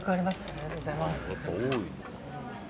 ありがとうございます。